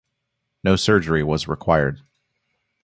No surgery was required.